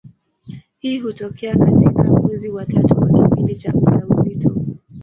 Hii hutokea katika mwezi wa tatu wa kipindi cha ujauzito.